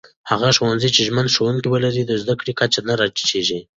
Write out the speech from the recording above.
هغه ښوونځي چې ژمن ښوونکي ولري، د زده کړې کچه نه راټيټېږي.